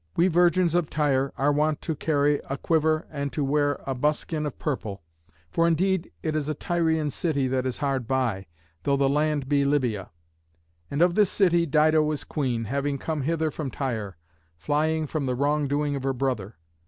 We virgins of Tyre are wont to carry a quiver and to wear a buskin of purple. For indeed it is a Tyrian city that is hard by, though the land be Lybia. And of this city Dido is queen, having come hither from Tyre, flying from the wrong doing of her brother.